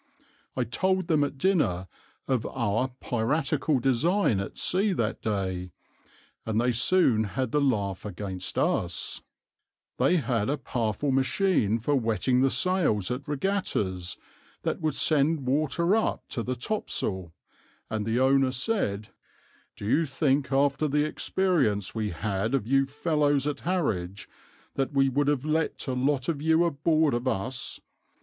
I told them at dinner of our piratical design at sea that day, and they soon had the laugh against us: they had a powerful machine for wetting the sails at regattas, that would send water up to the topsail; and the owner said, 'Do you think after the experience we had of you fellows at Harwich that we would have let a lot of you aboard of us?